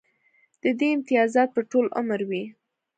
د دې امتیازات به ټول عمر وي